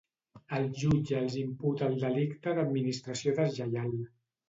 El jutge els imputa el delicte d’administració deslleial.